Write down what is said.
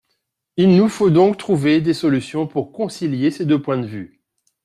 Il nous faut donc trouver des solutions pour concilier ces deux points de vue.